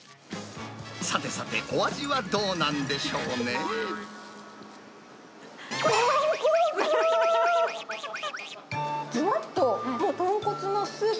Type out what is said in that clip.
さてさて、お味はどうなんでしょとんこつー！